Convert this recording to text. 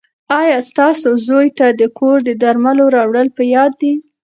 ایا ستاسو زوی ته د کور د درملو راوړل په یاد دي؟